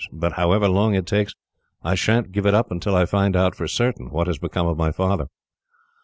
But, however long it takes, I sha'n't give it up until I find out, for certain, what has become of my father."